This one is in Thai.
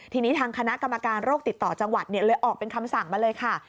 ทีนี้ทางคณะกรรมการโรคติดต่อจังหวัดเลยออกเป็นคำสั่งมาเลยค่ะ